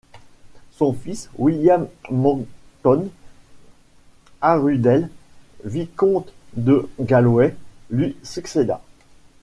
Son fils William Monckton-Arundell, vicomte de Galway, lui succéda.